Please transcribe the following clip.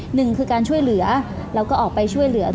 หนึ่งคือการช่วยเหลือแล้วก็ออกไปช่วยเหลือ